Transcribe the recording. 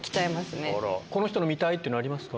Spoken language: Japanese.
この人の見たい！ってあります？